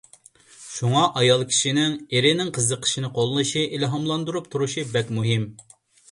شۇڭا ئايال كىشىنىڭ ئېرىنىڭ قىزىقىشىنى قوللىشى، ئىلھاملاندۇرۇپ تۇرۇشى بەك مۇھىم.